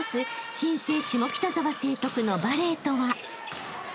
新生下北沢成徳のバレーとは］